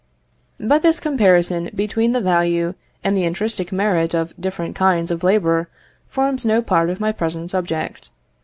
But this comparison between the value and the intrinsic merit of different kinds of labour forms no part of my present subject.